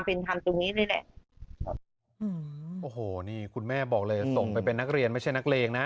โอ้โหนี่คุณแม่บอกเลยส่งไปเป็นนักเรียนไม่ใช่นักเลงนะ